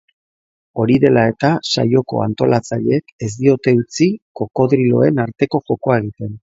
Hori dela eta, saioko antolatzaileek ez diote utzi krokodiloen arteko jokoa egiten.